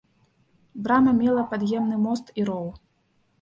Брама мела пад'ёмны мост і роў.